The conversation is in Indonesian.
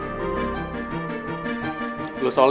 tapi lo masih kecil